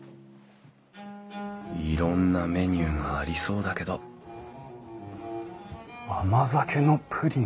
いろんなメニューがありそうだけど甘酒のプリン。